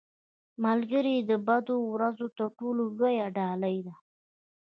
ملګری د بدو ورځو تر ټولو لویه ډال دی